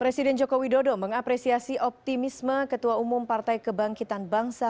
presiden joko widodo mengapresiasi optimisme ketua umum partai kebangkitan bangsa